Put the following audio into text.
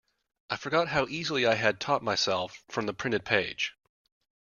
I forgot how easily I had taught myself from the printed page.